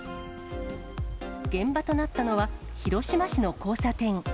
現場となったのは広島市の交差点。